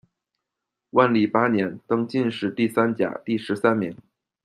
万历八年，登进士第三甲第十三名。